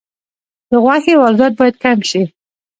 د غوښې واردات باید کم شي